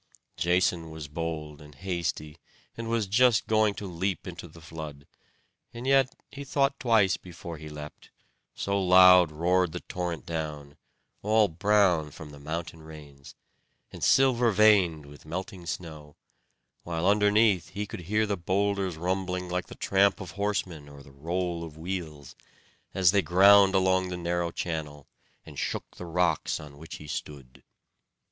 Jason was bold and hasty, and was just going to leap into the flood; and yet he thought twice before he leapt, so loud roared the torrent down, all brown from the mountain rains, and silver veined with melting snow; while underneath he could hear the boulders rumbling like the tramp of horsemen or the roll of wheels, as they ground along the narrow channel, and shook the rocks on which he stood.